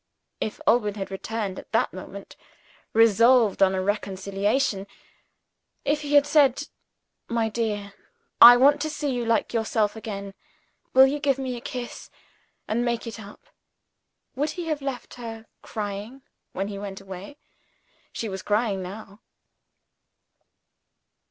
If Alban had returned at that moment, resolved on a reconciliation if he had said, "My dear, I want to see you like yourself again; will you give me a kiss, and make it up" would he have left her crying, when he went away? She was crying now.